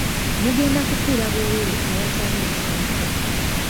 Mugenda kufiira bwereere awatali nsonga.